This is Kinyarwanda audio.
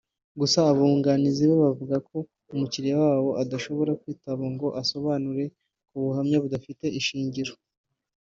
gusa abunganizi be bavuze ko umukiliya wabo adashobora kwitaba ngo asobanure ku buhamya budafite ishingiro